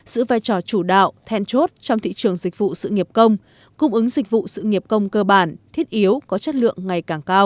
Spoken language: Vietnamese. giữ vai trò chủ đạo then chốt trong thị trường dịch vụ sự nghiệp công cung ứng dịch vụ sự nghiệp công cơ bản thiết yếu có chất lượng ngày càng cao